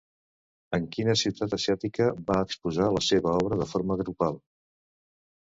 En quina ciutat asiàtica va exposar la seva obra de forma grupal?